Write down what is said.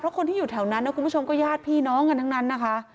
คนที่อยู่แถวนั้นนะคุณผู้ชมก็ญาติพี่น้องกันทั้งนั้นนะคะ